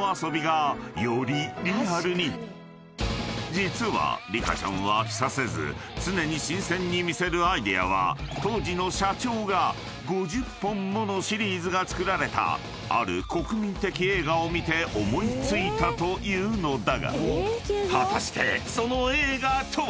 ［実はリカちゃんを飽きさせず常に新鮮に見せるアイデアは当時の社長が５０本ものシリーズが作られたある国民的映画を見て思い付いたというのだが果たしてその映画とは？］